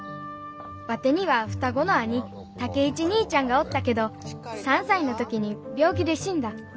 ワテには双子の兄武一兄ちゃんがおったけど３歳の時に病気で死んだ。